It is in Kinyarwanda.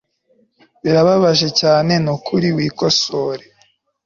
birababaje cyane nukuri wikosore